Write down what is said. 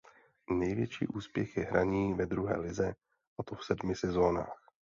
Největší úspěch je hraní ve druhé lize a to v sedmi sezonách.